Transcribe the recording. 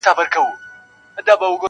لا ویده پښتون له ځانه بېخبر دی-